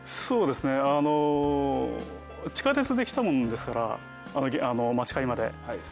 そうですね地下鉄で来たものですから待ち会まで。